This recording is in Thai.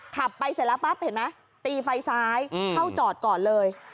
ขับไปเสร็จแล้วปั๊บเห็นไหมตีไฟซ้ายเข้าจอดก่อนเลย